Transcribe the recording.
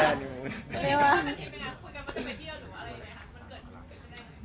มันเกิดไปได้ไหม